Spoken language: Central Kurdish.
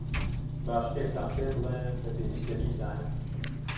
با شتێکتان پێبڵێم کە پێویستە بیزانن.